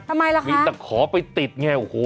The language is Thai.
ทำไมล่ะคะมีแต่ขอไปติดไงโอ้โห